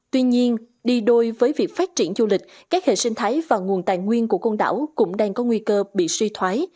tuy nhiên đi đôi với việc phát triển du lịch các hệ sinh thái và nguồn tài nguyên của côn đảo cũng đang có nguy cơ bị suy thoái